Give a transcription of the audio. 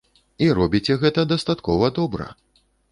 І робіце гэта дастаткова добра!